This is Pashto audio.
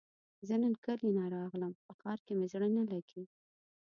زۀ نن کلي نه راغلم په ښار کې مې زړه نه لګي